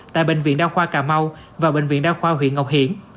tại bệnh viện đa khoa cà mau và bệnh viện đa khoa huyện ngọc hiển